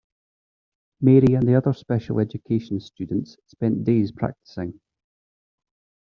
Mary and the other Special Education students spend days practicing.